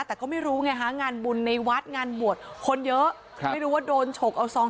แต่ก็ไม่รู้ไงฮะงานบุญในวัดงานบวชคนเยอะไม่รู้ว่าโดนฉกเอาซอง